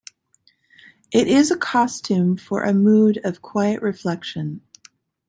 It is a costume for a mood of quiet reflection.